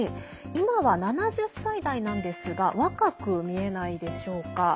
今は７０歳代なんですが若く見えないでしょうか。